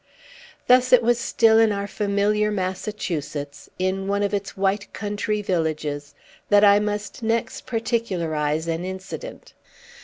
Thus it was still in our familiar Massachusetts in one of its white country villages that I must next particularize an incident.